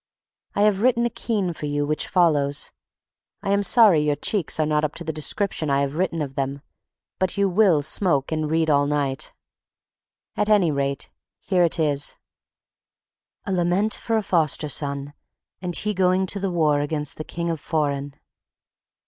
I have written a keen for you which follows. I am sorry your cheeks are not up to the description I have written of them, but you will smoke and read all night— At any rate here it is: A Lament for a Foster Son, and He going to the War Against the King of Foreign.